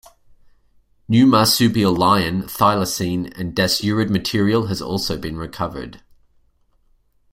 New marsupial lion, thylacine, and dasyurid material has also been recovered.